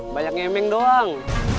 banyak ngemeng doang